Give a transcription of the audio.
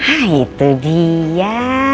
ah itu dia